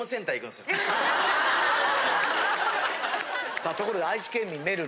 さあところで愛知県民めるる。